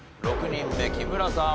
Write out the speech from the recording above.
６人目木村さん